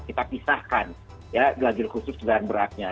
kita pisahkan ya lajur khusus kendaraan beratnya